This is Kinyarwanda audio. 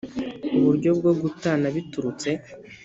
Uburyo bwo gutana biturutse